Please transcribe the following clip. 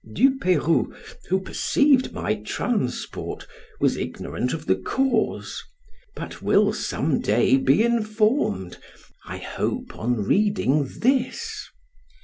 Du Peyrou, who perceived my transport, was ignorant of the cause, but will some day be informed: I hope, on reading this.